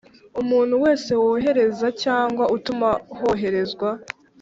Umuntu wese wohereza cyangwa utuma hoherezwa